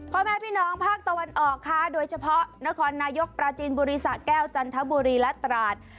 พ่อแม่พี่น้องภาคตะวันออกค่ะโดยเฉพาะนครนายกปราจีนบุรีสะแก้วจันทบุรีและตราด